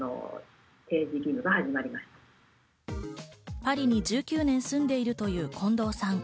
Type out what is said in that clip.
パリに１９年住んでいるという近藤さん。